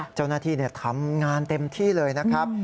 เจ้าหน้าที่ทำงานเต็มที่เลยนะครับ